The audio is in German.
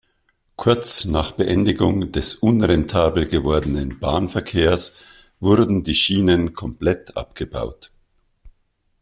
Kurz nach Beendigung des unrentabel gewordenen Bahnverkehrs wurden die Schienen komplett abgebaut.